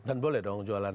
dan boleh dong jualannya